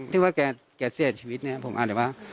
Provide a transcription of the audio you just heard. ที่ว่าแกเสียชีวิตเนี่ยผมอ่านเลยว่า